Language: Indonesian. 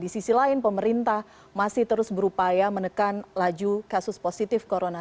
di sisi lain pemerintah masih terus berupaya menekan laju kasus positif corona